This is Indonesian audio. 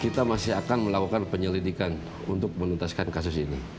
kita masih akan melakukan penyelidikan untuk menuntaskan kasus ini